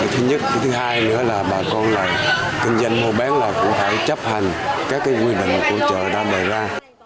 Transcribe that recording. thứ nhất thứ hai nữa là bà con là kinh doanh mua bán là cũng phải chấp hành các cái quy định của chợ ra đời ra